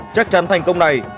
chắc chắn thành công này